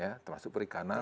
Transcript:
ya termasuk perikanan